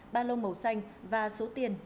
ba lô màu xanh và số tiền